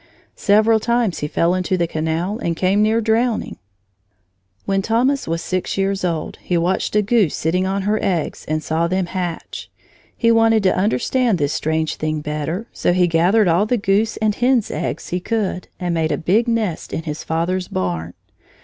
Several times he fell into the canal and came near drowning. When Thomas was six years old, he watched a goose sitting on her eggs and saw them hatch. He wanted to understand this strange thing better, so he gathered all the goose and hen's eggs he could and made a big nest in his father's barn.